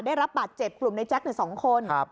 ได้รับบัตรเจ็บกลุ่มนายแจ๊ก๒คน